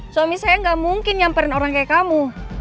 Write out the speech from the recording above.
suami saya gak mungkin nyamperin orang kayak kamu